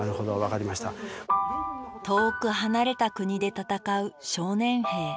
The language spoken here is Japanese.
遠く離れた国で戦う少年兵。